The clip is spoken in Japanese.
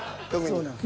そうなんです。